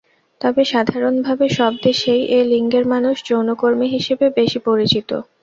তবে সাধারণভাবে সব দেশেই এ লিঙ্গের মানুষ যৌনকর্মী হিসেবে বেশি পরিচিত।